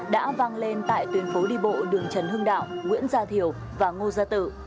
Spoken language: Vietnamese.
đã lên tại tuyến phố đi bộ đường trần hưng đạo nguyễn gia thiểu và ngô gia tử